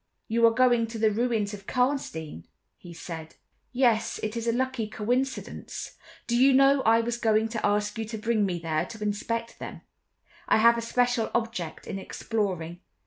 "You are going to the Ruins of Karnstein?" he said. "Yes, it is a lucky coincidence; do you know I was going to ask you to bring me there to inspect them. I have a special object in exploring.